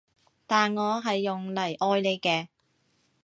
但我係用嚟愛你嘅